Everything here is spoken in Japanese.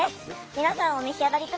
皆さんお召し上がり下さい。